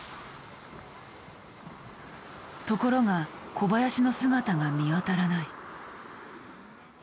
ところが小林の姿が見当たらない。